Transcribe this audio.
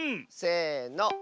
せの。